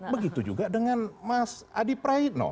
begitu juga dengan mas adipraino